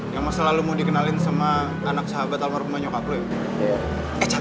yang masa lalu mau dikenalin sama anak sahabat almarhumnya nyokap lo ya